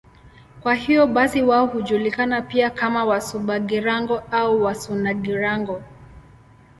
Kwa hiyo basi wao hujulikana pia kama Wasuba-Girango au Wasuna-Girango.